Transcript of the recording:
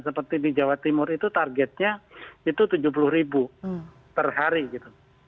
seperti di jawa timur itu targetnya itu tujuh puluh ribu per hari gitu